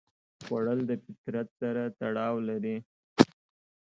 خوړل د فطرت سره تړاو لري